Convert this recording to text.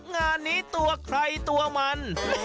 งานนี้ตัวใครตัวมัน